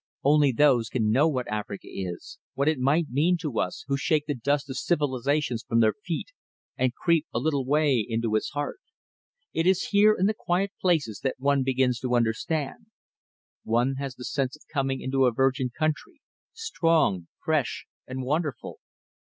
Only those can know what Africa is, what it might mean to us, who shake the dust of civilization from their feet, and creep a little way into its heart. It is here in the quiet places that one begins to understand. One has the sense of coming into a virgin country, strong, fresh, and wonderful.